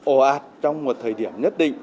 ồ ạt trong một thời điểm nhất định